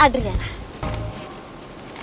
ada perlu apa sama gue